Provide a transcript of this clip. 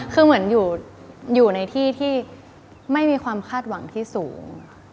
คือเหมือนอยู่ในที่ที่ไม่มีความคาดหวังที่สูง